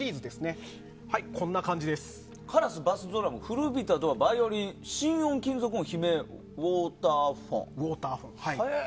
カラス、バスドラム古びたドア、バイオリン、心音金属音、悲鳴、ウォーターフォン。